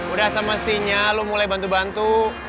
udah semestinya lo mulai bantu bantu